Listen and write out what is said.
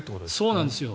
そうなんですよ。